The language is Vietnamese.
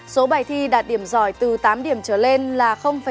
số bài thi đạt điểm giỏi từ tám điểm trở lên là ba mươi sáu